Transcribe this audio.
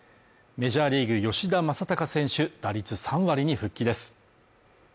メジャーリーグ吉田正尚選手打率３割に復帰です